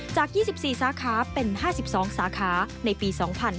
จาก๒๔สาขาเป็น๕๒สาขาในปี๒๕๕๙